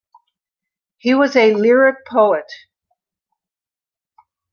He was a lyric poet.